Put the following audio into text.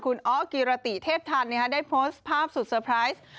คุณอ๊อกกิรติเทพทันได้โพสต์ภาพสุดเซอร์ไพรส์